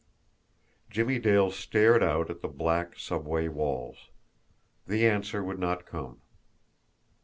Jimmie Dale stared out at the black subway walls. The answer would not come.